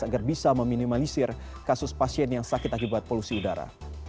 agar bisa meminimalisir kasus pasien yang sakit akibat polusi udara